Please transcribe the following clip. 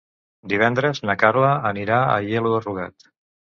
Divendres na Carla anirà a Aielo de Rugat.